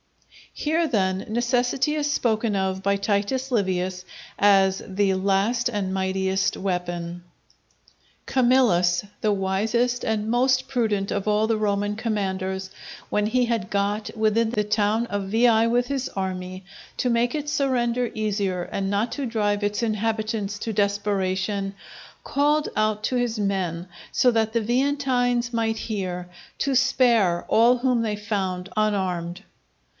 _" Here, then, necessity is spoken of by Titus Livius as the last and mightiest weapon. Camillus, the wisest and most prudent of all the Roman commanders, when he had got within the town of Veii with his army, to make its surrender easier and not to drive its inhabitants to desperation, called out to his men, so that the Veientines might hear, to spare all whom they found unarmed.